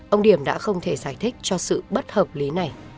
ông điểm đã không thể giải thích cho sự bất hợp lý này